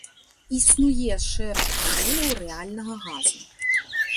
Існуе шэраг мадэляў рэальнага газу.